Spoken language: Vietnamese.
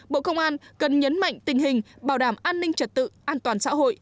bộ công an cần nhấn mạnh tình hình bảo đảm an ninh trật tự an toàn xã hội